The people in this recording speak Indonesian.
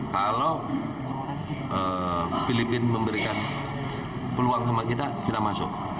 kalau filipina memberikan peluang sama kita kita masuk